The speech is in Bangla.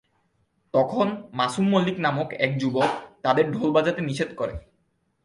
তখন মাসুম মল্লিক নামক এক যুবক তাদের ঢোল বাজাতে নিষেধ করে।